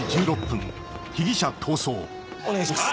お願いします。